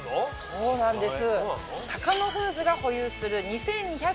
そうなんです。